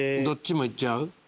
どっちもいっちゃう？